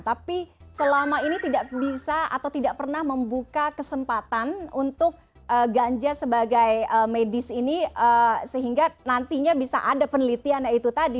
tapi selama ini tidak bisa atau tidak pernah membuka kesempatan untuk ganja sebagai medis ini sehingga nantinya bisa ada penelitian itu tadi